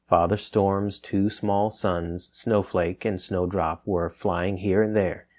Father Storm's two small sons, Snow Flake and Snow Drop, were flying here and there.